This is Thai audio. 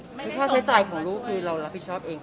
คือค่าใช้จ่ายของลูกคือเรารับผิดชอบเอง